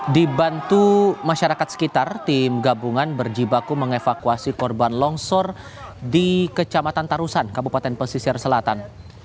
dibantu masyarakat sekitar tim gabungan berjibaku mengevakuasi korban longsor di kecamatan tarusan kabupaten pesisir selatan